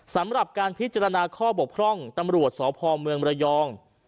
สำหรับการพิจารณาข้อบกพร่องตำรวจสพเมืองระยอง